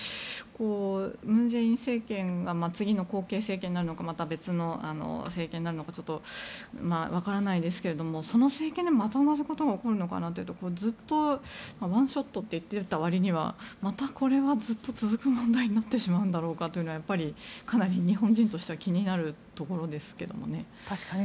文在寅政権次の後継政権になるのかまた別の政権になるのかちょっと分からないですけどもその政権でまとまるのかなと思うとずっと、ワンショットって言っていた割にはまた、これはずっと続く問題になってしまうんだろうかとやはり、かなり日本人としては気になるところですけどね。